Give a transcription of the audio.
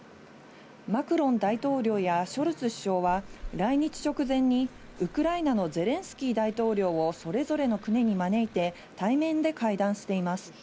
マクロン大統領やショルツ首相は来日直前にウクライナのゼレンスキー大統領をそれぞれの国に招いて対面で会談しています。